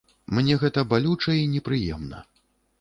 Мне гэта балюча і непрыемна.